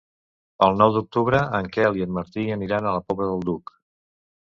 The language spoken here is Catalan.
El nou d'octubre en Quel i en Martí aniran a la Pobla del Duc.